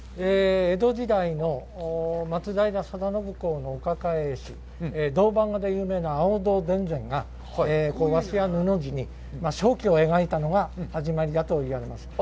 江戸時代の松平定信公のお抱え絵師銅板画で有名な亜欧堂田善が和紙や布地に鍾馗を描いたのが始まりだと言われます。